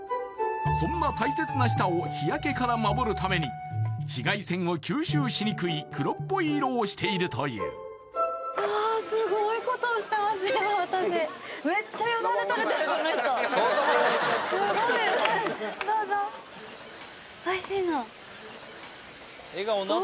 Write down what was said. そんな大切な舌を日焼けから守るために紫外線を吸収しにくい黒っぽい色をしているというすごいうおおっ